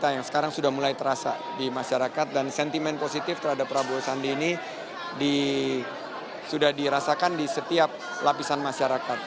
yang sekarang sudah mulai terasa di masyarakat dan sentimen positif terhadap prabowo sandi ini sudah dirasakan di setiap lapisan masyarakat